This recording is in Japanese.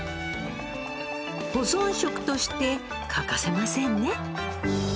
保存食として欠かせませんね。